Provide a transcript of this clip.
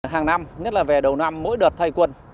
hàng năm nhất là về đầu năm mỗi đợt thay quân